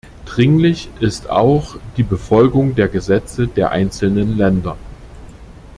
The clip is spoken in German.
Dringlich ist auch die Befolgung der Gesetze der einzelnen Länder.